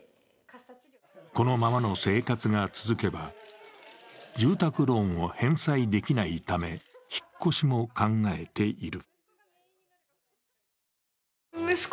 このままの生活が続けば住宅ローンを返済できないため引っ越しも考えている。